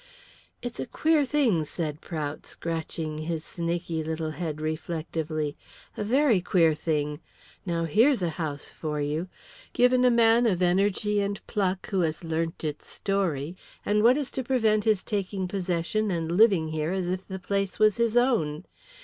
"It's a queer thing," said Prout, scratching his snaky little head reflectively; "a very queer thing. Now here's a house for you. Given a man of energy and pluck who has learnt its story, and what is to prevent his taking possession and living here as if the place was his own?